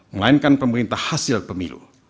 melainkan pemerintah hasil pemilu